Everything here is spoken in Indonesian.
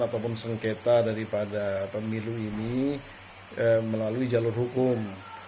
apapun sengketa daripada pemilu ini melalui jalur hukum